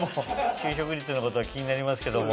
就職率のことは気になりますけども。